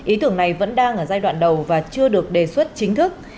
ý tưởng này vẫn đang ở giai đoạn đầu và chưa được đề xuất chính thức